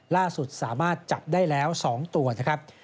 ล่าสุดสามารถจับได้แล้ว๒ตัวนะครับ